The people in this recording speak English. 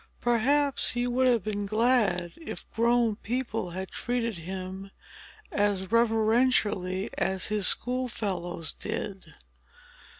Perhaps he would have been glad, if grown people had treated him as reverentially as his school fellows did.